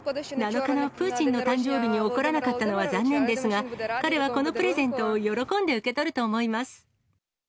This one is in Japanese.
７日のプーチンの誕生日に起こらなかったのは残念ですが、彼はこのプレゼントを喜んで受け取ると思います。